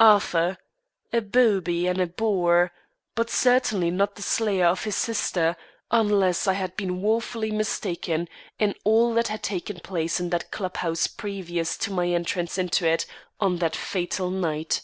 Arthur! A booby and a boor, but certainly not the slayer of his sister, unless I had been woefully mistaken in all that had taken place in that club house previous to my entrance into it on that fatal night.